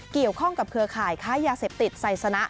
เกี่ยวข้องกับเครือข่ายค้ายาเสพติดไซสนะ